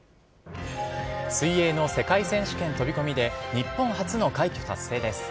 水泳の世界選手権飛び込みで日本初の快挙達成です。